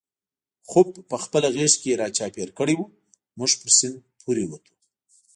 خوپ په خپله غېږ کې را چاپېر کړی و، موږ پر سیند پورې وتو.